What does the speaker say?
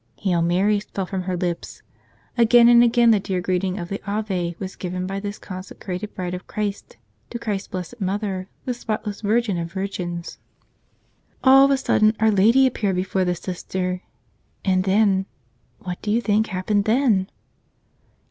Hail Marys fell from her lips. Again and again the dear greeting of the "Ave" was given by this consecrated bride of Christ to Christ's blessed Mother, the spotless Virgin of virgins. All of a sudden Our Lady appeared before the Sister. And then — what do you think happened then?